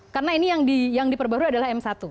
karena ini yang diperbarui adalah m satu